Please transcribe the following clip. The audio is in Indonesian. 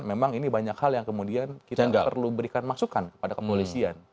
memang ini banyak hal yang kemudian kita perlu berikan masukan kepada kepolisian